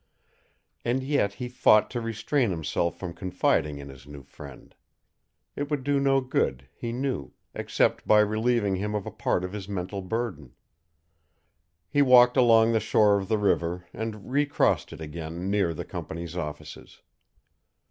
And yet he fought to restrain himself from confiding in his new friend. It would do no good, he knew, except by relieving him of a part of his mental burden. He walked along the shore of the river and recrossed it again near the company's offices.